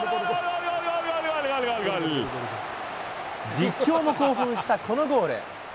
実況も興奮したこのゴール。